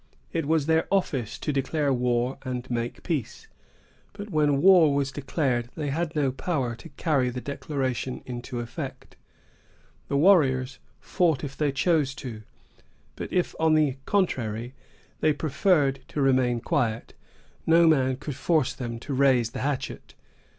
It was their office to declare war and make peace; but when war was declared, they had no power to carry the declaration into effect. The warriors fought if they chose to do so; but if, on the contrary, they preferred to remain quiet, no man could force them to raise the hatchet.